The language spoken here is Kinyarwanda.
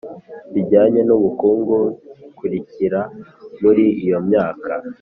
Bijyanye n ubukungu bikurikira muri iyo myaka